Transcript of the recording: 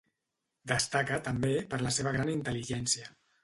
Destaca, també, per la seva gran intel·ligència.